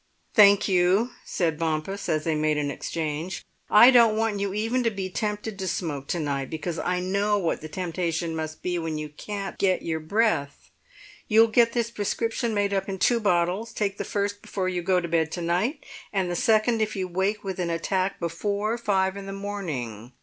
"Thank you," said Bompas, as they made an exchange. "I don't want you even to be tempted to smoke to night, because I know what the temptation must be when you can't get your breath. You will get this prescription made up in two bottles; take the first before you go to bed to night, and the second if you wake with an attack before five in the morning.